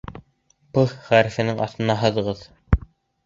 «П» хәрефенең аҫтына һыҙығыҙ